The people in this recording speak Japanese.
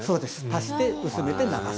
足して、薄めて、流す。